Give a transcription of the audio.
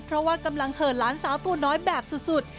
เพราะว่ากำลังเหินหลานสาวตัวน้อยแบบสุด